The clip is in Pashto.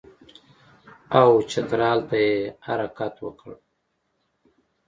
او چترال ته یې حرکت وکړ.